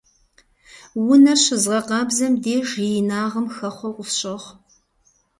Унэр щызгъэкъабзэм деж и инагъым хэхъуэу къысщохъу.